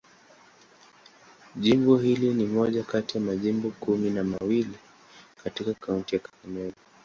Jimbo hili ni moja kati ya majimbo kumi na mawili katika kaunti ya Kakamega.